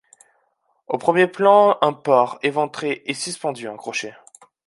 Au premier plan, un porc éventré est suspendu à un crochet.